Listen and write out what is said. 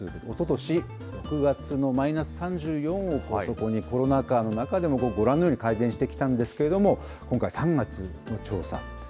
おととし、６月のマイナス３４億を底に、コロナ禍の中でも、ご覧のように改善してきたんですけれども、今回、３月の調査。